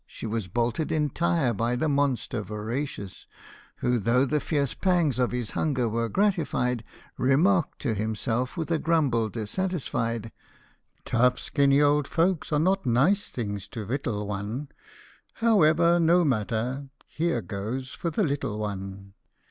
" She was bolted entire by the monster voracious ; Who, though the fierce pangs of his hunger were gratified, Remarked to himself, with a grumble dissatisfied, " Tough skinny old folks are not nice things to victual one ; However, no matter ! Here goes for the little one